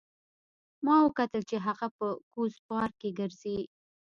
ما وکتل چې هغه په کوز پارک کې ګرځي